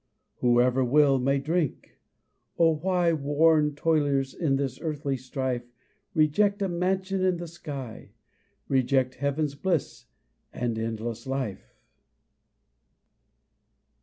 Whoever will may drink! Oh, why, Worn toilers in this earthly strife, Reject a mansion in the sky, Reject heaven's bliss and endless life?